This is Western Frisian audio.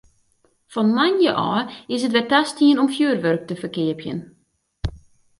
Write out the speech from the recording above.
Fan moandei ôf is it wer tastien om fjurwurk te ferkeapjen.